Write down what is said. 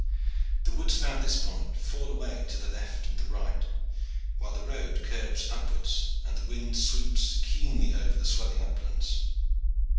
The woods about this point fall away to the left and the right, while the road curves upwards and the wind sweeps keenly over the swelling uplands.